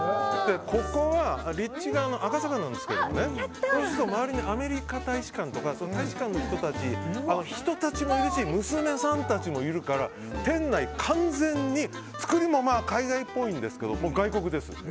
ここは立地が赤坂なんですけどそうしたら周りにアメリカ大使館とかの人もいるし娘さんたちもいるから店内は完全に作りも海外っぽいんですけど外国です。